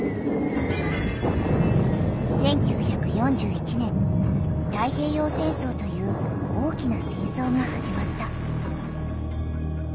１９４１年太平洋戦争という大きな戦争がはじまった。